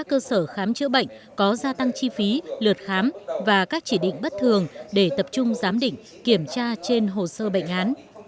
các cơ sở khám chữa bệnh có gia tăng chi phí lượt khám và các chỉ định bất thường để tập trung giám định kiểm tra trên hồ sơ bệnh án